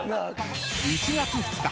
［１月２日。